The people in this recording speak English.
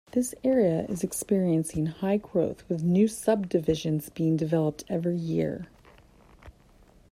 This area is experiencing high growth with new subdivisions being developed every year.